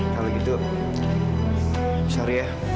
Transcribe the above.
kalau gitu sorry ya